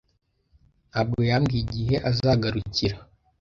Ntabwo yambwiye igihe azagarukira.